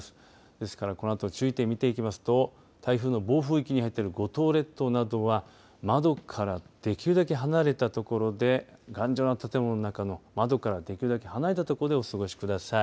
ですからこのあと、注意点見ていきますと台風の暴風域に入っている五島列島などは窓からできるだけ離れたところで頑丈な建物の中の窓からできるだけ離れたところでお過ごしください。